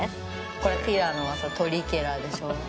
これ、ティラノ、それ、トリケラでしょう？